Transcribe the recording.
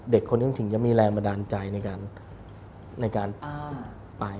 เด็กคนจริงจะมีแรงประดานใจในการไป